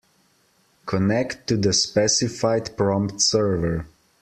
Connect to the specified prompt server.